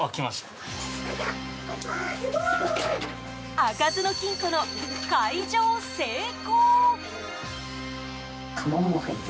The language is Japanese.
開かずの金庫の開錠成功。